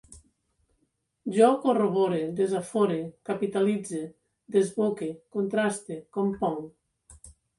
Jo corrobore, desafore, capitalitze, desboque, contraste, componc